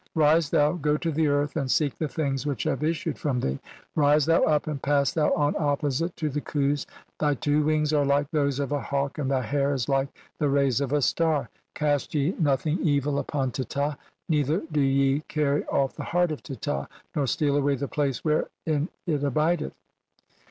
Rise thou, go to the earth 'and seek the things which have issued from thee. 'Rise thou up and pass thou on opposite to the Khus ; 'thy two wings are like those of a hawk and thy hair 'is like (the rays of) a star. Cast ye nothing evil 'upon Teta, neither do ye carry off the heart of Teta, 'nor steal away the place wherein it abideth."